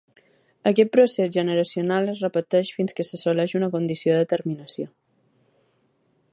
Aquest procés generacional es repeteix fins que s'assoleix una condició de terminació.